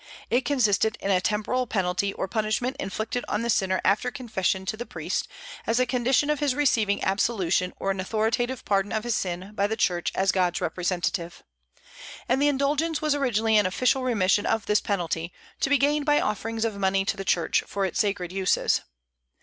It consisted in a temporal penalty or punishment inflicted on the sinner after confession to the priest, as a condition of his receiving absolution or an authoritative pardon of his sin by the Church as God's representative. And the indulgence was originally an official remission of this penalty, to be gained by offerings of money to the Church for its sacred uses.